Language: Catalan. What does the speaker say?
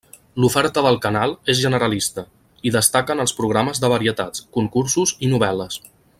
L'oferta del canal és generalista, i destaquen els programes de varietats, concursos i novel·les.